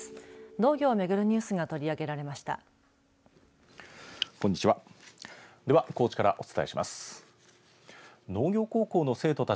農業をめぐるニュースが取り上げられました。